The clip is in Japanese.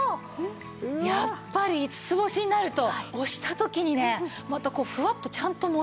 やっぱり５つ星になると押した時にねまたふわっとちゃんと戻ってくる。